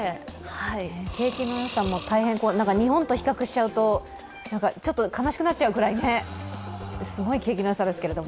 景気の良さも、日本と比較しちゃうとちょっと悲しくなっちゃうくらいすごい景気の良さですけど。